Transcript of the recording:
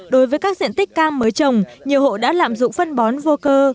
đối với các diện tích cam mới trồng nhiều hộ đã lạm dụng phân bón vô cơ